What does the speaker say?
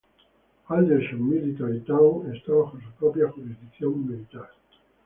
Aldershot Military Town está bajo su propia jurisdicción militar.